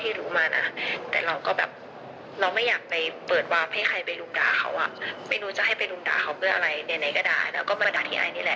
ไม่รู้จะให้ไปรุมด่าเขาเพื่ออะไรใดก็ด่าแล้วก็มาด่าที่ไอ้นี่แหละ